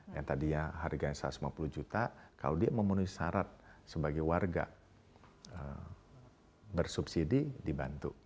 yang tadinya harganya satu ratus lima puluh juta kalau dia memenuhi syarat sebagai warga bersubsidi dibantu